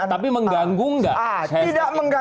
tapi mengganggu nggak